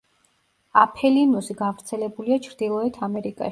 აფელინუსი გავრცელებულია ჩრდილოეთ ამერიკაში.